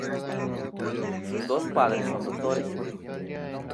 Sus dos padres son doctores.